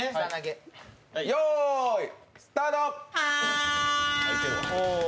よーい、スタート。